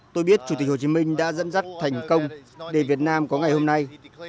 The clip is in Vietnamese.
tôi biết chủ tịch hồ chí minh đã dẫn dắt thành công để việt nam có ngày hôm nay